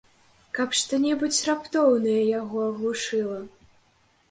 Каб што-небудзь раптоўнае яго аглушыла!